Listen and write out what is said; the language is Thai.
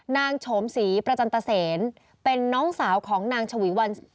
โฉมศรีประจันตเซนเป็นน้องสาวของนางฉวีวัน